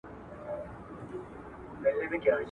¬ که پلار دي جت وو، ته جتگی يې.